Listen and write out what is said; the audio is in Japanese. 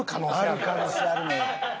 ある可能性あるのよ。